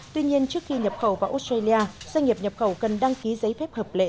tuy nhiên trước khi nhập khẩu vào australia doanh nghiệp nhập khẩu cần đăng ký giấy phép hợp lệ